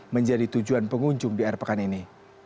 menjadi tujuan pengunjung di air pekan ini